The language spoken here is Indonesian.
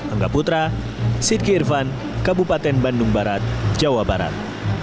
angga putra siti irvan kabupaten bandung barat jawa barat